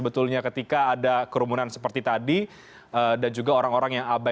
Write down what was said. banyak virus ini bagaimana